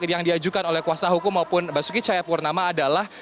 yang diajukan oleh kuasa hukum maupun basuki cahayapurnama adalah